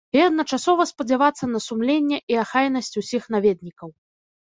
І адначасова спадзявацца на сумленне і ахайнасць усіх наведнікаў.